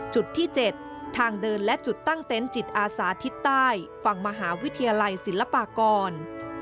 จุดที่๗ทางเดินและจุดตั้งเต็นต์จิตอาสาทิศใต้ฝั่งมหาวิทยาลัยศิลปากร